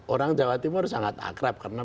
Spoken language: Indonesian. orang jawa timur sangat akrab karena